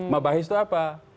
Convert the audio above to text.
mabahis itu apa